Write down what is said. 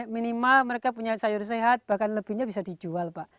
minimal mereka punya sayur sehat bahkan lebihnya bisa dijual pak